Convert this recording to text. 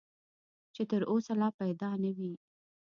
چې تر اوسه لا پیدا نه وي .